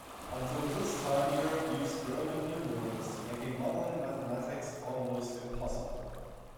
Until this time Europe used Roman Numerals, making modern mathematics almost impossible.